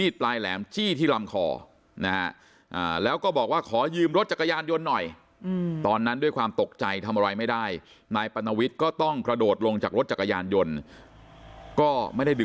คนร้ายก็เลยตัดสินใจทิ้งจักรยานยนต์เอาไว้แล้วก็วิ่งหนีไปจากนู้นดอนหัวล่อมาถึงพานทองสภพทองเข้ามาตรวจสอบที่เกิดเหตุ